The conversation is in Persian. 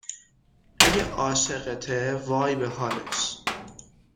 اگه عاشقته وای به حالش